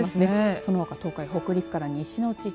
そのほか東海北陸から西の地域。